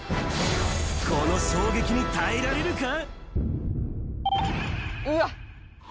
この衝撃に耐えられるか？